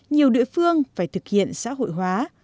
nhiều địa phương phải thực hiện xã hội hóa